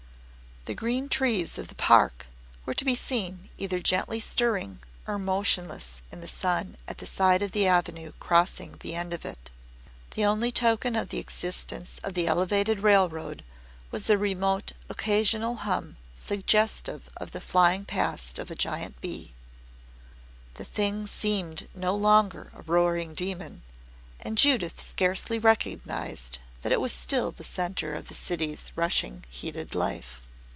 The green trees of the Park were to be seen either gently stirring or motionless in the sun at the side of the avenue crossing the end of it. The only token of the existence of the Elevated Railroad was a remote occasional hum suggestive of the flying past of a giant bee. The thing seemed no longer a roaring demon, and Judith scarcely recognized that it was still the centre of the city's rushing, heated life.